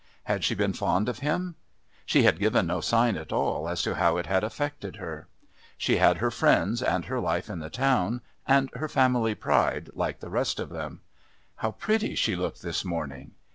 Had she been fond of him? She had given no sign at all as to how it had affected her. She had her friends and her life in the town, and her family pride like the rest of them. How pretty she looked this morning!